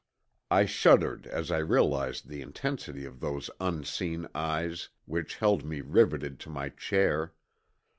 I shuddered as I realized the intensity of those unseen eyes which held me riveted to my chair.